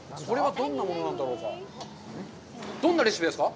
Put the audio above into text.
どんなレシピですか？